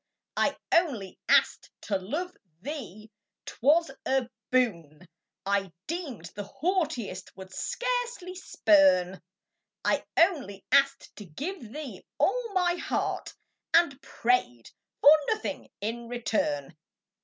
T ONLY ask'd to love thee, 'twas a boon ■■ I deem'd the haughtiest would scarcely spurn ; I only ask'd to give thee all my heart, And pra/d for nothing in return